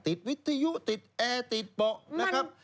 วิทยุติดแอร์ติดเบาะนะครับ